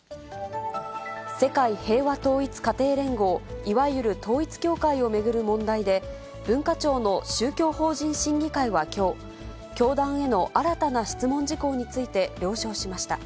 世界平和統一家庭連合、いわゆる統一教会を巡る問題で、文化庁の宗教法人審議会はきょう、教団への新たな質問事項について了承しました。